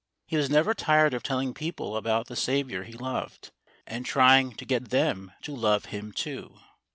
He was never tired of telling people about the Saviour he loved, and trying to get them to love Him too.